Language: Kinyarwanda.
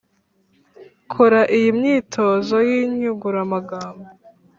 kora iyi myitozo y’inyunguramagambo